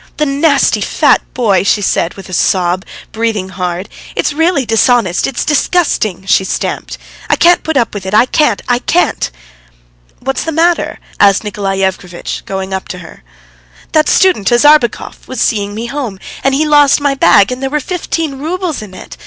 "The nasty, fat boy," she said with a sob, breathing hard. "It's really dishonest; it's disgusting." She stamped. "I can't put up with it; I can't, I can't!" "What's the matter?" asked Nikolay Yevgrafitch, going up to her. "That student, Azarbekov, was seeing me home, and he lost my bag, and there was fifteen roubles in it.